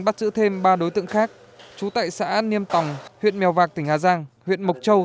bắt giữ thêm ba đối tượng khác trú tại xã niêm tòng huyện mèo vạc tỉnh hà giang huyện mộc châu